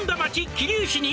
桐生市に」